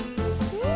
うん。